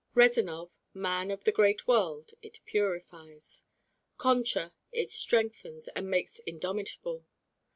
Rezanov, man of the great world, it purifies. Concha it strengthens and makes indomitable.